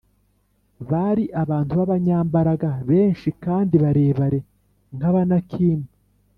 bari abantu b’abanyambaraga, benshi kandi barebare nk’abanakimu